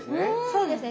そうですね